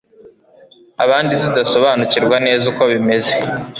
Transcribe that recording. abandi tudasobanukirwa neza uko bimeze